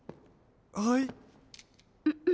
はい？